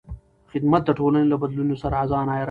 خدمت د ټولنې له بدلونونو سره ځان عیاروي.